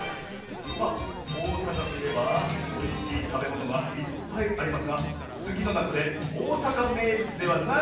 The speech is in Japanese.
さあおおさかといえばおいしいたべものがいっぱいありますがつぎのなかでおおさかめいぶつではないのはどれ？